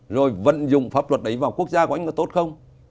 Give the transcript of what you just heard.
rồi vận dụng pháp luật đấy vào quốc gia của anh có tốt không